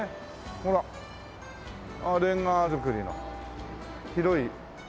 ほらレンガ造りの広い。